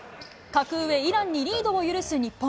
格上、イランにリードを許す日本。